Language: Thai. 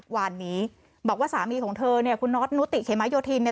วานนี้บอกว่าสามีของเธอเนี่ยคุณน็อตนุติเขมาโยธินเนี่ย